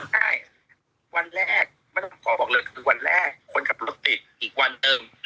คือว่านฉันวันแรกคนขับรถติดอีกวันอื่ม